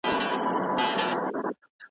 اوښی مې نه يې چې په شاه دې ګرځوومه